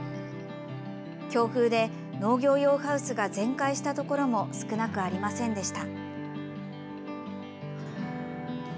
強風で農業用ハウスが全壊したところも少なくありませんでした。